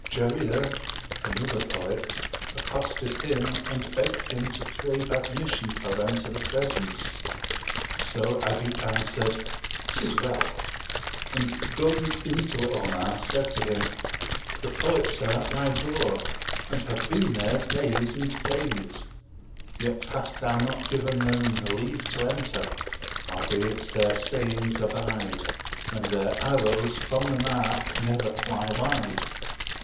Jarir [another poet] accosted him, and begged him to crave admission for them to the presence; so 'Adi answered, "'Tis well," and going in to Omar, said to him, "The poets are at thy door, and have been there days and days; yet hast thou not given them leave to enter, albeit their sayings abide, and their arrows from the mark never fly wide."